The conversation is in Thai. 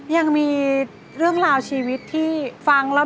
ยังมีเรื่องราวชีวิตที่ฟังแล้ว